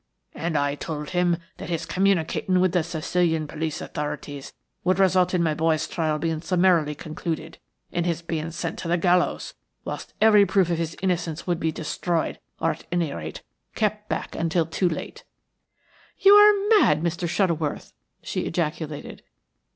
"And I told him that his 'communicating with the Sicilian police authorities' would result in my boy's trial being summarily concluded, in his being sent to the gallows, whilst every proof of his innocence would be destroyed, or, at any rate, kept back until too late." "You are mad, Mr. Shuttleworth!" she ejaculated.